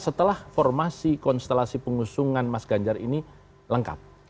setelah formasi konstelasi pengusungan mas ganjar ini lengkap